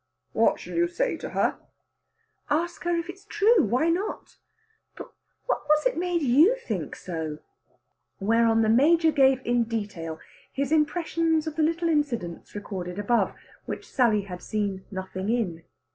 "What shall you say to her?" "Ask her if it's true! Why not? But what was it made you think so?" Whereon the Major gave in detail his impressions of the little incidents recorded above, which Sally had seen nothing in.